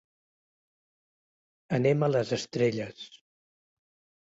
Anem a les estrelles.